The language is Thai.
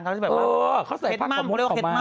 แฮดม่ำเค้าเรียกว่าแฮดม่ำ